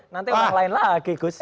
nanti orang lain lagi gus